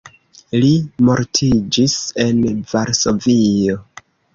Li mortiĝis en Varsovio.